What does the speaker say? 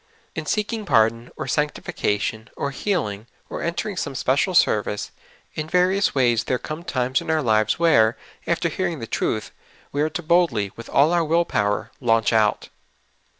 In seeking pardon, or sanctification, or healing, or entering some special sendee, in various ways there come times in our lives w'here, after hearing the truth, we are to boldly, wdth all our will power, "launch out.'"'